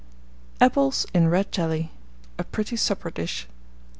APPLES IN RED JELLY. (A pretty Supper Dish.)